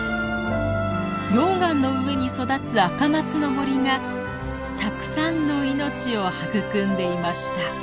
溶岩の上に育つアカマツの森がたくさんの命を育んでいました。